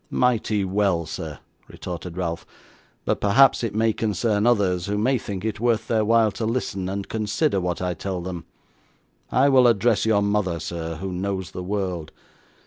'Mighty well, sir,' retorted Ralph; 'but perhaps it may concern others, who may think it worth their while to listen, and consider what I tell them. I will address your mother, sir, who knows the world.